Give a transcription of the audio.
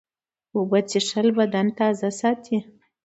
اوبه څښل بدن تازه ساتي.